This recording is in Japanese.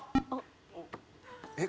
えっ